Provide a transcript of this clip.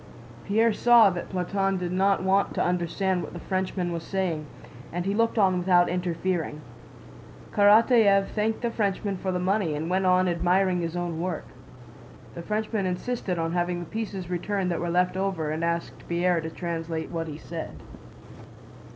Pierre saw that Platón did not want to understand what the Frenchman was saying, and he looked on without interfering. Karatáev thanked the Frenchman for the money and went on admiring his own work. The Frenchman insisted on having the pieces returned that were left over and asked Pierre to translate what he said.